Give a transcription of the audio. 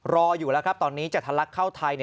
รออยู่แล้วครับตอนนี้จะทะลักเข้าไทย